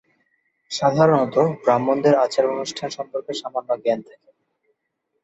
সাধারণত, এই ব্রাহ্মণদের আচার-অনুষ্ঠান সম্পর্কে সামান্য জ্ঞান থাকে।